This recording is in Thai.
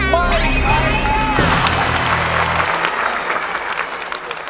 ไม่ใช้ค่ะ